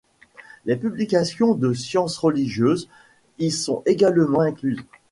Les publications de sciences religieuses y sont également incluses.